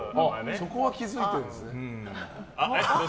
そこは気づいてるんですね。